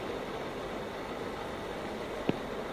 属扬州路。